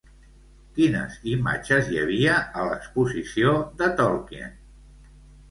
Quines imatges hi havia a l'exposició de Tolkien?